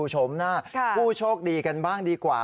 ดูชมนะค่ะคู่โชคดีกันบ้างดีกว่า